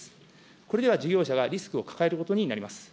これでは事業者がリスクを抱えることになります。